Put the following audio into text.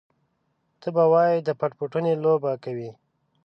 ته به وايې د پټ پټوني لوبه کوي.